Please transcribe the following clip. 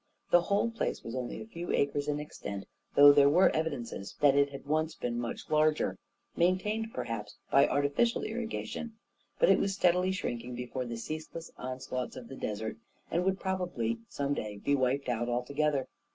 The whole place was only a few acres in extent, though there were evidences that it had once been much larger — maintained, perhaps, by artificial irrigation; but it was steadily shrinking before the ceaseless on slaughts of the desert, and would probably, some day, be wiped out altogether.